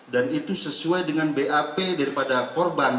dan itu sesuai dengan bap daripada korban